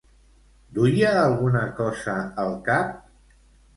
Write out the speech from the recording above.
Duia alguna cosa al cap?